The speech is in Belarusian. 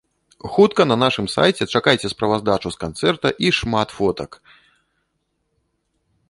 Хутка на нашым сайце чакайце справаздачу з канцэрта і шмат фотак!